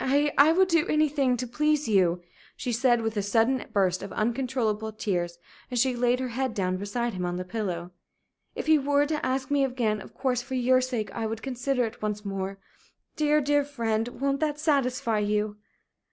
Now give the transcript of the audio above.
"I I would do anything to please you!" she said, with a sudden burst of uncontrollable tears, as she laid her head down beside him on the pillow. "If he were to ask me again, of course, for your sake, I would consider it once more. Dear, dear friend, won't that satisfy you?"